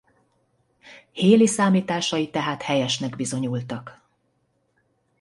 Halley számításai tehát helyesnek bizonyultak.